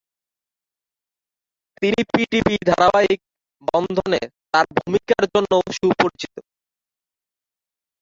তিনি পিটিভি ধারাবাহিক "বন্ধনে" তার ভূমিকার জন্যও সুপরিচিত।